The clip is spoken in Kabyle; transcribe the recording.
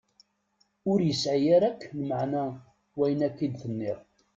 Ur yesɛi ara akklmeɛna wayen akka i d-tenniḍ.